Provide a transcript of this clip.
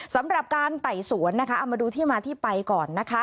สำหรับการไต่สวนนะคะเอามาดูที่มาที่ไปก่อนนะคะ